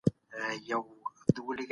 کلى آرام دئ.